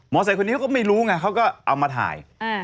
มอเตอร์ไซคนนี้เขาก็ไม่รู้ไงเขาก็เอามาถ่าย